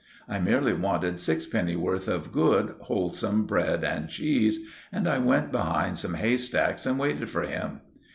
I merely wanted sixpennyworth of good, wholesome bread and cheese; and I went behind some haystacks and waited for him.